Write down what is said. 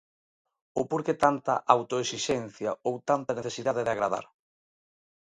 Ou por que tanta autoesixencia, ou tanta necesidade de agradar.